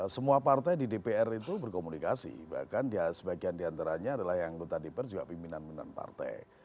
semua partai di dpr itu berkomunikasi bahkan sebagian diantaranya adalah yang anggota dpr juga pimpinan pimpinan partai